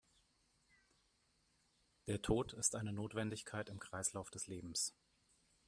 Der Tod ist eine Notwendigkeit im Kreislauf des Lebens.